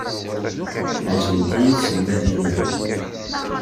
Ɛejbent-iyi tselmadin-inu.